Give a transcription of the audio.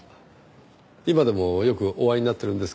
今でもよくお会いになってるんですか？